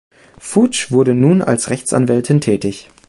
Fudge wurde nun als Rechtsanwältin tätig.